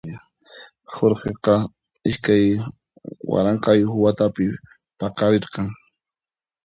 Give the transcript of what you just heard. Jorgeqa iskay waranqayuq watapi paqarirqan.